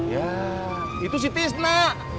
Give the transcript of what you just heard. ya itu si tisna